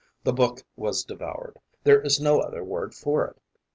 The book was devoured; there is no other word for it.